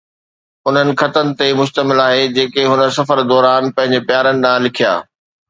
انهن خطن تي مشتمل آهي جيڪي هن سفر دوران پنهنجن پيارن ڏانهن لکيا